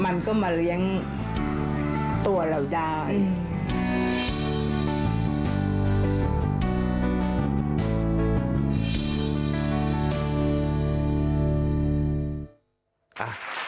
มันก็มาเลี้ยงตัวเราได้